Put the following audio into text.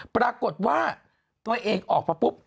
ปรากฏว่าตัวเองออกมาปุ๊บ